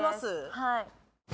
はい。